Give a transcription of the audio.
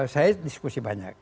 saya diskusi banyak